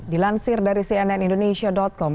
dilansir dari cnn indonesia com